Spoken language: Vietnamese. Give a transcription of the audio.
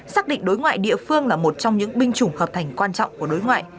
xác định đối ngoại địa phương là một trong những binh chủng hợp thành quan trọng của đối ngoại